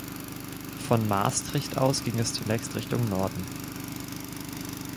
Von Maastricht aus ging es zunächst Richtung Norden.